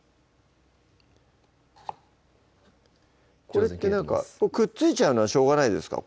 これってくっついちゃうのはしょうがないですか？